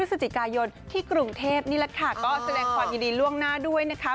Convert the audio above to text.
พฤศจิกายนที่กรุงเทพนี่แหละค่ะก็แสดงความยินดีล่วงหน้าด้วยนะคะ